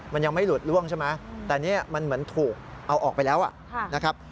มันยังไม่หลุดล่วงใช่ไหมแต่นี่มันเหมือนถูกเอาออกไปแล้วนะครับ